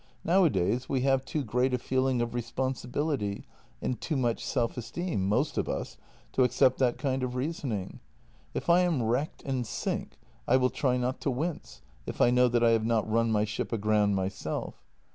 Nowadays we have too great a feeling of responsibility and too much self esteem, most of us, to accept that kind of reasoning. If I am wrecked and sink, I will try not to wince, if I know that I have not run my ship aground myself.